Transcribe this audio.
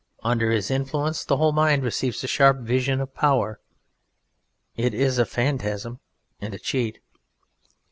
Under his influence the whole mind receives a sharp vision of power. It is a phantasm and a cheat.